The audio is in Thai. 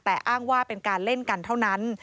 แต่อ้างว่าเป็นการเล่นกันเท่านั้น